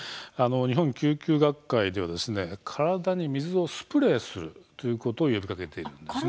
日本救急学会では体に水をスプレーするということを呼びかけているんです。